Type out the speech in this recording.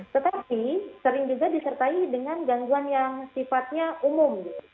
tetapi sering juga disertai dengan gangguan yang sifatnya umum